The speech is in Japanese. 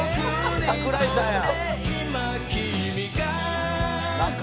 「桜井さんや」